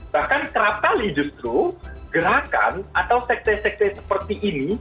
bahkan terapali justru gerakan atau sekte sekte seperti ini